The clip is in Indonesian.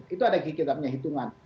itu ada gigi kita punya hitungan